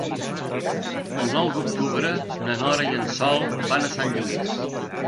El nou d'octubre na Nora i en Sol van a Sant Lluís.